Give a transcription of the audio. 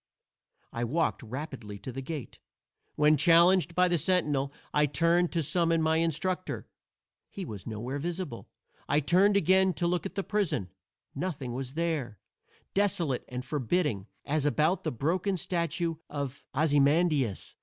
I walked rapidly to the gate. When challenged by the sentinel, I turned to summon my instructor. He was nowhere visible. I turned again to look at the prison. Nothing was there: desolate and forbidding, as about the broken statue of Ozymandias.